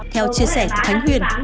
theo chia sẻ của khánh huyền